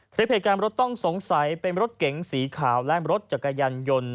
คลิปเหตุการณ์รถต้องสงสัยเป็นรถเก๋งสีขาวและรถจักรยานยนต์